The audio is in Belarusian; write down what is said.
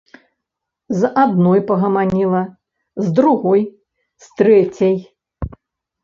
З адной пагаманіла, з другой, з трэцяй.